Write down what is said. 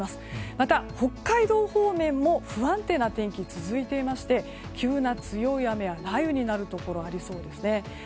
また、北海道方面も不安定な天気が続いていまして急な強い雨や雷雨になるところありそうですね。